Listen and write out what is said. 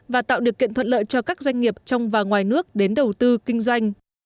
và tạo điều kiện thuận lợi cho các doanh nghiệp trong và ngoài nước đến đầu tư kinh doanh